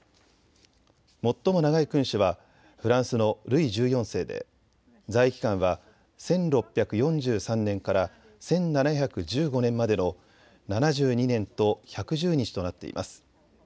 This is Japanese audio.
最も長い君主はフランスのルイ１４世で在位期間は１６４３年から１７１５年までの７２年と１１０日となっています。